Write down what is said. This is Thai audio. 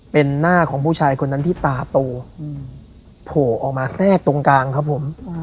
เป็นหน้าของผู้ชายคนนั้นที่ตาโตโผล่ออกมาแทรกตรงกลางครับผม